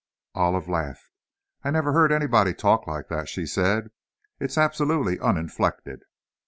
Olive laughed. "I never heard anybody talk like that," she said. "It's absolutely uninflected."